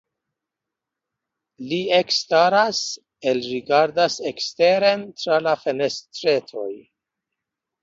Li ekstaras, elrigardas eksteren tra la fenestretoj.